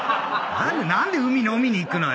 何で海飲みに行くのよ！